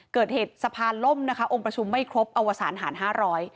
เกิดเหตุสะพานล่มนะคะองค์ประชุมไม่ครบอวสารหารห้าร้อย